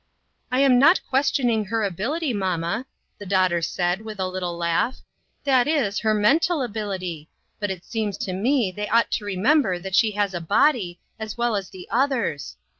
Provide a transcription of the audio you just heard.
" I am not questioning her ability, mamma,'* the daughter said, with a little laugh, " that is, her mental ability; but it seems to me they ought to remember that she has a body, as well as the others.